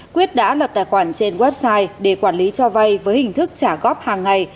quyết đã lập tài khoản trên website để quản lý cho vay với hình thức trả góp hàng ngày